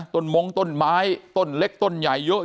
มงต้นไม้ต้นเล็กต้นใหญ่เยอะ